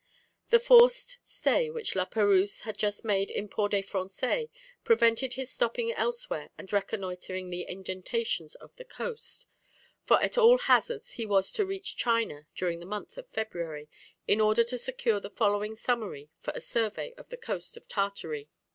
The forced stay which La Perouse had just made in Port des Français prevented his stopping elsewhere and reconnoitring the indentations of the coast, for at all hazards he was to reach China during the month of February, in order to secure the following summer for the survey of the coast of Tartary.